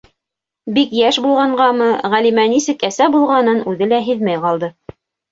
Бик йәш булғанғамы, Ғәлимә нисек әсә булғанын үҙе лә һиҙмәй ҡалды.